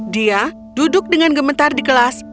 dia duduk dengan gementar di kelas